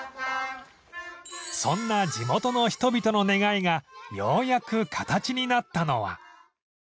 そんな地元の人々の願いがようやく形になったのは